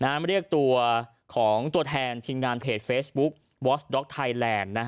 มาเรียกตัวของตัวแทนทีมงานเพจเฟซบุ๊ควอสด็อกไทยแลนด์